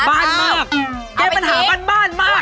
บ้านมากแก้ปัญหาบ้านบ้านมาก